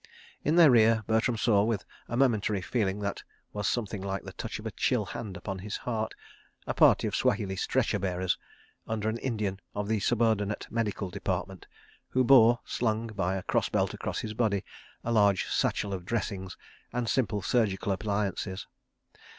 In their rear, Bertram saw, with a momentary feeling that was something like the touch of a chill hand upon his heart, a party of Swahili stretcher bearers, under an Indian of the Subordinate Medical Department, who bore, slung by a crossbelt across his body, a large satchel of dressings and simple surgical appliances.